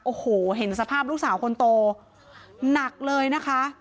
โอ้โหเห็นสภาพลูกสาวคนโตหนักเลยนะคะ